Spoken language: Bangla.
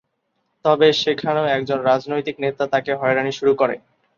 তবে, সেখানেও একজন রাজনৈতিক নেতা তাকে হয়রানি শুরু করে।